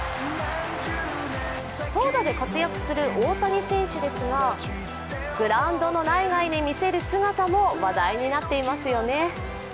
投打で活躍する大谷選手ですが、グラウンドの内外で見せる姿も話題になっていますよね。